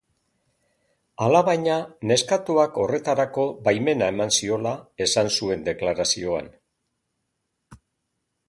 Alabaina, neskatoak horretarako baimena eman ziola esan zuen deklarazioan.